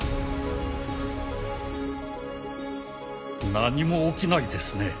何も起きないですね。